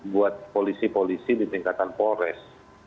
buat polisi polisi di tingkatan polres